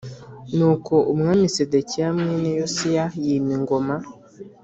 Nuko Umwami Sedekiya mwene Yosiya iyima ingoma